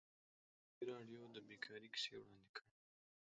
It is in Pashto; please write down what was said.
ازادي راډیو د بیکاري کیسې وړاندې کړي.